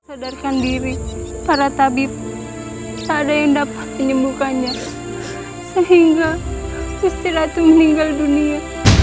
sadarkan diri para tabib ada yang dapat menyembuhkannya sehingga istirahat meninggal dunia